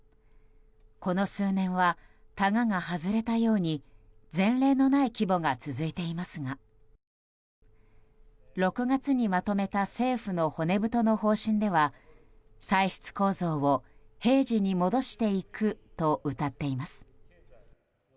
この数年はタガが外れたように前例のない規模が続いていますが６月にまとめた政府の骨太の方針では歳出構造を平時に戻していくとうたっています。